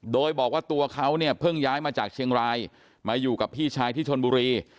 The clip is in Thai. โดยบอกว่าตัวเขาเนี่ยเพิ่งย้ายมาจากเชียงรายมาอยู่กับพี่ชายที่ชนบุรี